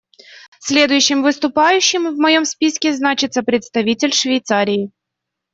Следующим выступающим в моем списке значится представитель Швейцарии.